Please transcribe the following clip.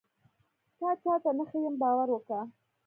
تا چاته نه ښيم باور وکه.